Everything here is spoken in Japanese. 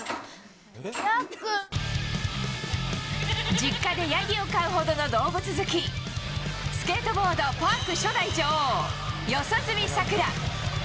実家でヤギを飼うほどの動物好きスケートボード・パーク初代女王四十住さくら。